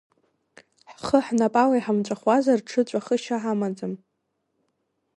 Ҳхы ҳнапала иҳамҵәахуазар ҽыҵәахышьа ҳамаӡам.